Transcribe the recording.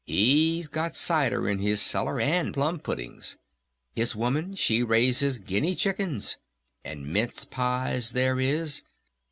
He's got cider in his cellar. And plum puddings. His woman she raises guinea chickens. And mince pies there is.